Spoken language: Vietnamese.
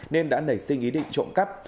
nên đã nảy sinh ý định trộn cắp